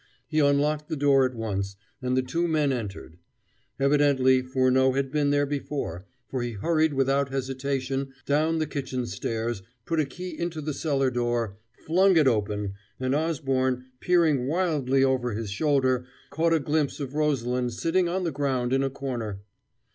He unlocked the door at once, and the two men entered. Evidently Furneaux had been there before, for he hurried without hesitation down the kitchen stairs, put a key into the cellar door, flung it open, and Osborne, peering wildly over his shoulder, caught a glimpse of Rosalind sitting on the ground in a corner.